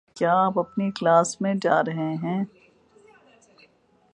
کیا آپ اپنی کلاس میں جا رہے ہیں؟